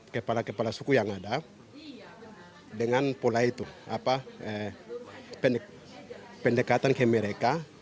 kepala kepala suku yang ada dengan pola itu pendekatan ke mereka